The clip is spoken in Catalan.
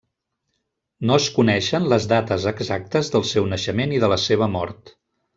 No es coneixen les dates exactes del seu naixement i de la seva mort.